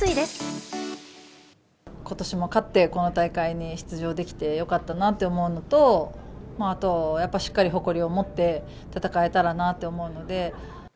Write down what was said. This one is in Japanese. ことしも勝って、この大会に出場できてよかったなと思うのと、あとやっぱり、しっかり誇りを持って戦えたらなと思うので。